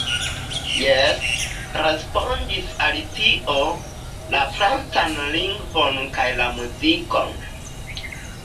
"Jes," respondis Alicio, "la francan lingvon kaj la muzikon."